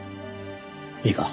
いいか